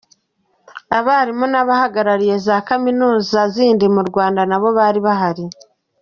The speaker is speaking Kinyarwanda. Abarimu n’abahagarariye za kaminuza zindi mu Rwanda nabo bari bahari.